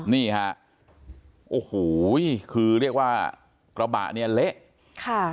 นี่ค่ะอ้อหูยคือเรียกว่ากระบะนี้ละค่ะ